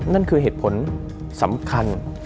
นั่นคือเหตุผลสำคัญ